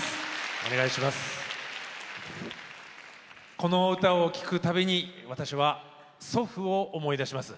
この歌を聴くたびに私は祖父を思い出します。